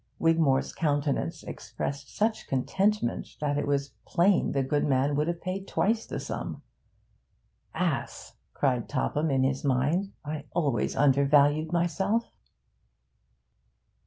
Wigmore's countenance expressed such contentment, that it was plain the good man would have paid twice that sum. 'Ass!' cried Topham, in his mind. 'I always undervalue myself.'